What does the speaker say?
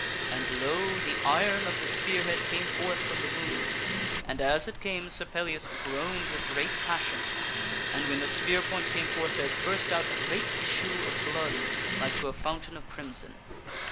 And, lo! the iron of the spear head came forth from the wound ; and as it came Sir Pellias groaned with great passion. And when the spear point came forth there burst out a great issue of blood like to a fountain of crimson.